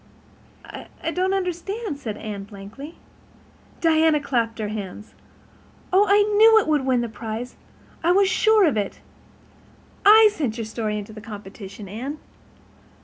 "I don't understand," said Anne, blankly. Diana clapped her hands. "Oh, I knew it would win the prize—I was sure of it. I sent your story into the competition, Anne."